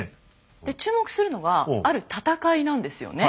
で注目するのはある戦いなんですよね。